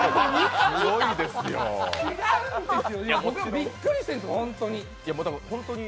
びっくりしてるんです、本当に。